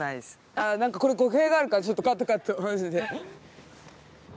あ何かこれ語弊があるからちょっとカットカットマジで。